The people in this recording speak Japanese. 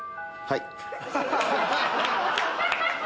はい？